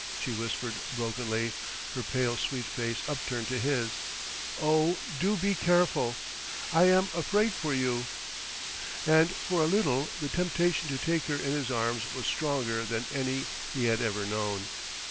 she whispered brokenly, her pale sweet face upturned to his. "Oh, do be careful! I am afraid for you...." And for a little the temptation to take her in his arms was stronger than any he had ever known....